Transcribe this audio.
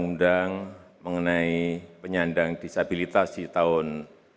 keluar undang undang mengenai penyandang disabilitas di tahun dua ribu enam belas